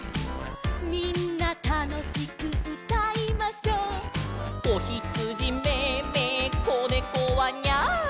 「みんなたのしくうたいましょ」「こひつじメェメェこねこはニャー」